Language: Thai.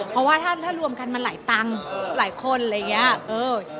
เพราะว่ารวมกันมันหลายตังค์ผู้เป็นหลายคน